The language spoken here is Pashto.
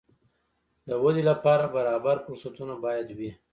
د ودې لپاره برابر فرصتونه باید وي.